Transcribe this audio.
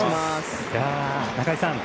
中居さん